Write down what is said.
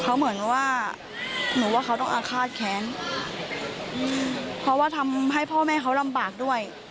เขาเหมือนว่าหนูว่าเขาต้องอาฆาตแค้นเพราะว่าทำให้พ่อแม่เขาลำบากด้วย